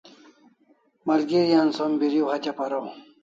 Malgeri an som Biriu hatya paraw